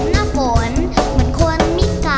มันเติบเติบ